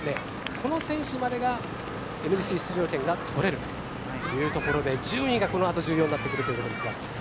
この選手までがＭＧＣ出場権が取れるというところで順位がこのあと重要になってくるということですが。